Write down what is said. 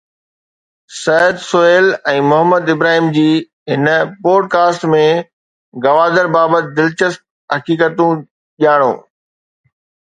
سعد سهيل ۽ محمد ابراهيم جي هن podcast ۾ Gwadar بابت دلچسپ حقيقتون ڄاڻو.